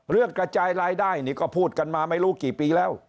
กระจายรายได้นี่ก็พูดกันมาไม่รู้กี่ปีแล้ว